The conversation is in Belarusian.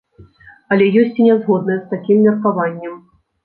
Але ёсць і нязгодныя з такім меркаваннем.